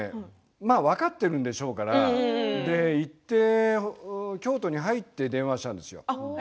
分かっているでしょうから京都に入って電話したんですよ。